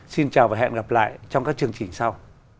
xin chào và hẹn gặp lại trong các chương trình sau